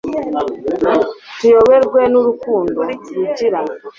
tuyoborwe n'urukundo, rugira